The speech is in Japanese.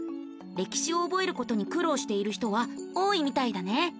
歴史を覚えることに苦労している人は多いみたいだね。